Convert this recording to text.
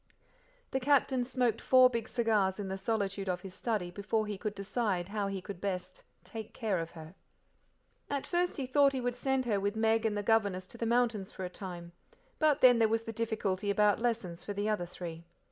The Captain smoked four big cigars in the solitude of his study before he could decide how he could best "take care of her." At first he thought he would send her with Meg and the governess to the mountains for a time, but then there was the difficulty about lessons for the other three.